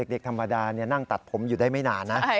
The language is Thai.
เด็กธรรมดานั่งตัดผมอยู่ได้ไม่นานนะ